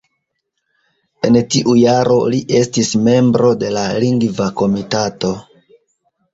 En tiu jaro li estis membro de la Lingva Komitato.